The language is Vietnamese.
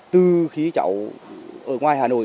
từ khi cháu ở ngoài hà nội